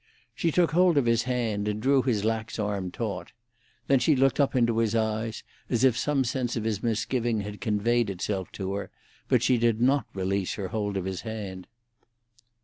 She took hold of his hand and drew his lax arm taut. Then she looked up into his eyes, as if some sense of his misgiving had conveyed itself to her, but she did not release her hold of his hand.